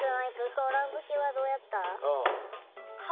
ソーラン節はどうやった？